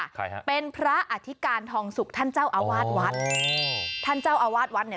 ใครฮะเป็นพระอธิการทองสุกท่านเจ้าอาวาสวัดท่านเจ้าอาวาสวัดเนี่ย